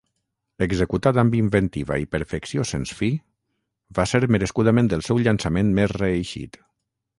Executat amb inventiva i perfecció sens fi, va ser merescudament el seu llançament més reeixit.